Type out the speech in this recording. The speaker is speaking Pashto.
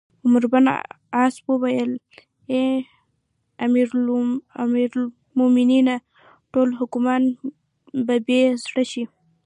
عمروبن عاص وویل: اې امیرالمؤمنینه! ټول حاکمان به بې زړه شي.